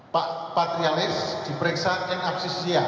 pak patrialis diperiksaan absisya